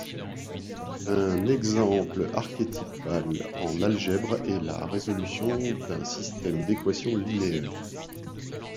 Un exemple archétypal en algèbre est la résolution d'un système d'équations linéaires.